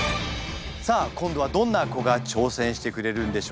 さあ今度はどんな子が挑戦してくれるんでしょうか。